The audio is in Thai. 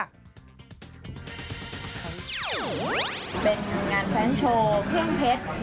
เป็นงานแฟนโชว์เครื่องเพชร